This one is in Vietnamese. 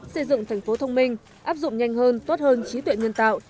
xây dựng thành phố thông minh áp dụng nhanh hơn tốt hơn trí tuệ nhân tạo